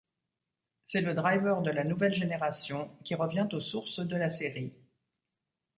C'est le Driver de la nouvelle génération, qui revient aux sources de la série.